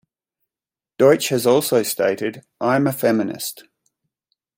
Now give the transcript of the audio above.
Deutsch has also stated: I'm a feminist.